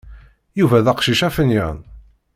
Yuba d aqcic afenyan.